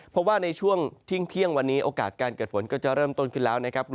เพราะว่าในช่วงเที่ยงวันนี้โอกาสการเกิดฝนก็จะเริ่มต้นขึ้นแล้วนะครับ